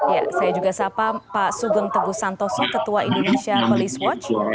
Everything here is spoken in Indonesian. ya saya juga sapa pak sugeng teguh santoso ketua indonesia police watch